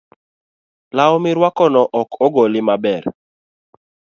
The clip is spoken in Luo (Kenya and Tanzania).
Law mirwako no ok ogoli maber